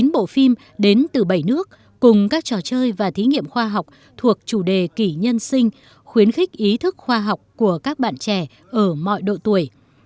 một mươi bộ phim đến từ bảy nước cùng các trò chơi và thí nghiệm khoa học thuộc chủ đề kỷ nhân sinh khuyến khích ý thức khoa học của các bạn trẻ ở mọi độ tuổi